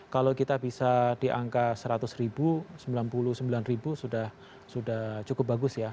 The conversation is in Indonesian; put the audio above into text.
kalau kita bisa di angka seratus ribu sembilan puluh sembilan ribu sudah cukup bagus ya